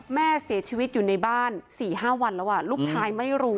แม่เสียชีวิตอยู่ในบ้าน๔๕วันแล้วลูกชายไม่รู้